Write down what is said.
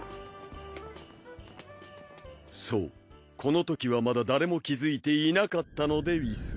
そうこのときはまだ誰も気づいていなかったのでうぃす。